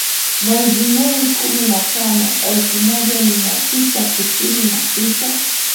Mwezi Mei kumi na tano elfu moja mia tisa sitini na sita